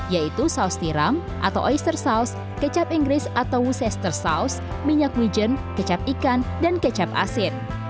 yaitu saus tiram atau oyster sauce kecap inggris atau worcestershire sauce minyak wijen kecap ikan dan kecap asin